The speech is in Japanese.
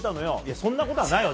そんなことはないわ！